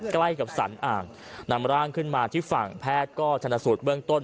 ใกล้กับสรรอ่างนำร่างขึ้นมาที่ฝั่งแพทย์ก็ชนะสูตรเบื้องต้น